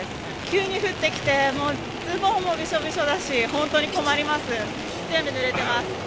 急に降ってきて、もうズボンもびしょびしょだし、本当に困ります。